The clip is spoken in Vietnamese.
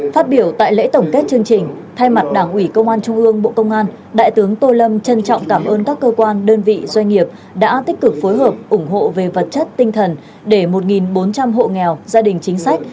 phát biểu tại lễ tổng kết chương trình thay mặt đảng ủy công an trung ương bộ công an đại tướng tô lâm trân trọng cảm ơn các cơ quan đơn vị doanh nghiệp đã tích cực phối hợp ủng hộ về vật chất tinh thần để một bốn trăm linh hộ nghèo gia đình chính sách